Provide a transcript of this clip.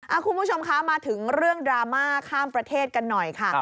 คุณผู้ชมคะมาถึงเรื่องดราม่าข้ามประเทศกันหน่อยค่ะ